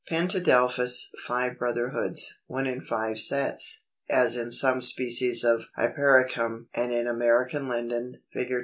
Pentadelphous (five brotherhoods), when in five sets, as in some species of Hypericum and in American Linden (Fig.